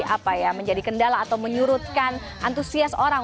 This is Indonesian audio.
apa ya menjadi kendala atau menyurutkan antusias orang